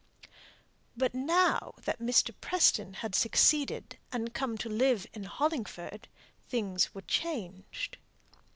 But now that Mr. Preston had succeeded, and come to live in Hollingford, things were changed.